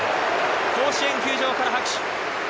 甲子園球場から拍手。